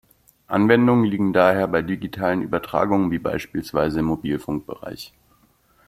Anwendungen liegen daher bei digitalen Übertragungen wie beispielsweise im Mobilfunkbereich.